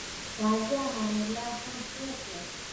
غازي امان الله څوک وو؟